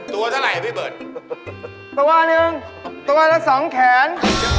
ตัวหนึ่งตัวแล้วสองแขน